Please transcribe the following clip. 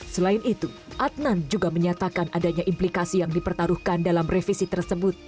selain itu adnan juga menyatakan adanya implikasi yang dipertaruhkan dalam revisi tersebut